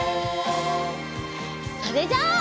それじゃあ。